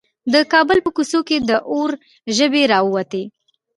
د کابل په کوڅو کې د اور ژبې راووتې.